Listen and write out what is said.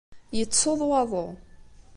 Yettsuḍ waḍu.